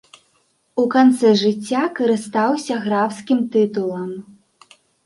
У канцы жыцця карыстаўся графскім тытулам.